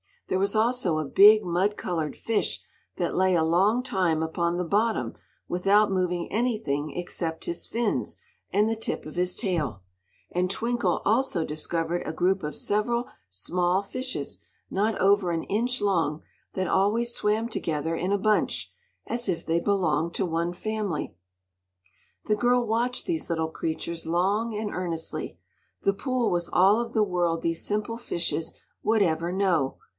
There was also a big, mud colored fish that lay a long time upon the bottom without moving anything except his fins and the tip of his tail, and Twinkle also discovered a group of several small fishes not over an inch long, that always swam together in a bunch, as if they belonged to one family. The girl watched these little creatures long and earnestly. The pool was all of the world these simple fishes would ever know.